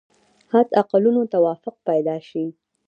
حد اقلونو توافق پیدا شي.